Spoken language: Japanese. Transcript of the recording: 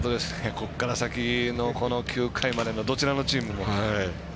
ここから先、９回までどちらのチームも。